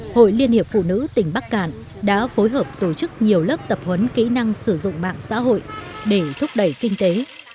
hội liên hiệp phụ nữ tỉnh bắc cạn đã phối hợp tổ chức nhiều lớp tập huấn kỹ năng sử dụng mạng xã hội để thúc đẩy kinh tế